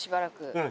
うん。